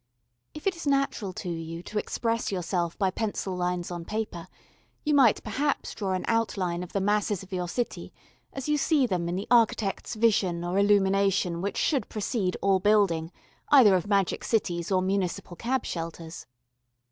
If it is natural to you to express yourself by pencil lines on paper you might perhaps draw an outline of the masses of your city as you see them in the architect's vision or illumination which should precede all building, either of magic cities or municipal cab shelters.